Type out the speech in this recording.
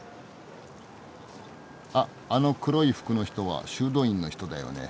あっあの黒い服の人は修道院の人だよね。